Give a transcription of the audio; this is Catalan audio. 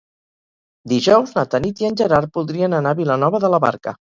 Dijous na Tanit i en Gerard voldrien anar a Vilanova de la Barca.